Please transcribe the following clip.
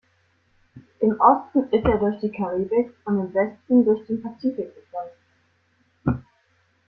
Im Osten ist er durch die Karibik und im Westen durch den Pazifik begrenzt.